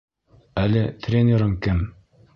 — Әле тренерың кем?